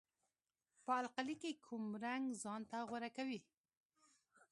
په القلي کې کوم رنګ ځانته غوره کوي؟